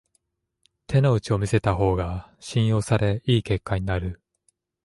手の内を見せた方が信用され良い結果になる